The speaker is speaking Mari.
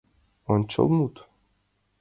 Ончылмут.